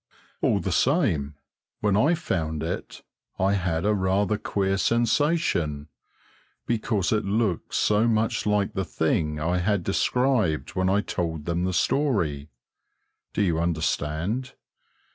All the same, when I found it I had a rather queer sensation, because it looked so much like the thing I had described when I told them the story. Do you understand?